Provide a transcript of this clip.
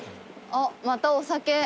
あっまたお酒。